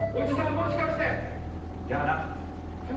もしかしてじゃあなえっ？